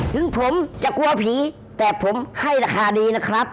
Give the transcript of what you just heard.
ถึงผมจะกลัวผีแต่ผมให้ราคาดีนะครับ